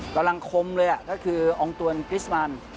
กำลังคมเลยก็คืออองตวนคริสมัน